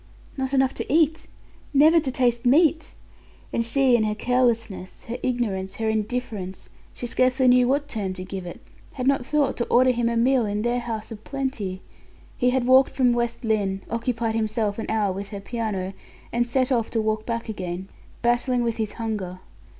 "Not enough to eat! Never to taste meat!" And she, in her carelessness, her ignorance, her indifference she scarcely knew what term to give it had not thought to order him a meal in their house of plenty! He had walked from West Lynne, occupied himself an hour with her piano, and set off to walk back again, battling with his hunger.